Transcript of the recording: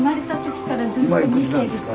今いくつなんですか？